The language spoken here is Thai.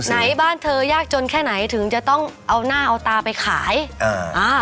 บ้านเธอยากจนแค่ไหนถึงจะต้องเอาหน้าเอาตาไปขายอ่าอ่า